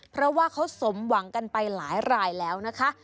เพราะว่าเขาสมหวังกันไปหลายรายแล้วนะคะ